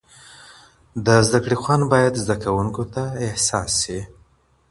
د زده کړي خوند باید زده کوونکو ته احساس سي.